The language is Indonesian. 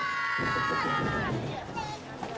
kepala kampung kampung